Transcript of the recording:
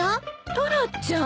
タラちゃん。